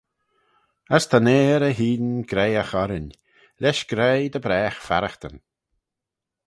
As ta'n Ayr eh hene graihagh orrin, lesh graih dy braagh farraghtyn.